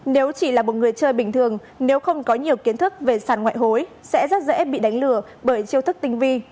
nếu chỉ là một người chơi bình thường nếu không có nhiều kiến thức về sản ngoại hối sẽ rất dễ bị đánh lừa bởi chiêu thức tinh vi